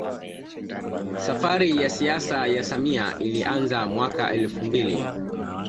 Safari ya siasa ya samia ilianza mwaka elfu mbili